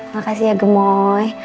makasih ya gemoe